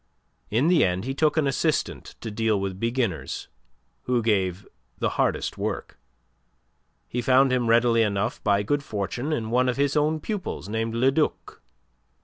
In the end he took an assistant to deal with beginners, who gave the hardest work. He found him readily enough by good fortune in one of his own pupils named Le Duc.